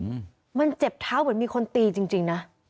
อื้อหือมันเจ็บเท้าเหมือนมีคนตีจริงนะ